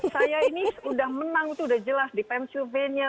saya ini sudah menang itu sudah jelas di pennsylvania